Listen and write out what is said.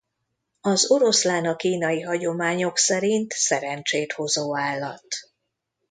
Az oroszlán a kínai hagyományok szerint szerencsét hozó állat.